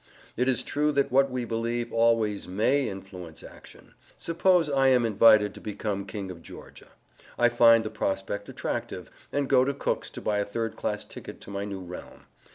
It is true that what we believe always MAY influence action. Suppose I am invited to become King of Georgia: I find the prospect attractive, and go to Cook's to buy a third class ticket to my new realm.